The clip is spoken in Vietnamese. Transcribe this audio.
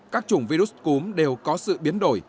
các chủng virus cúm đều có sự biến đổi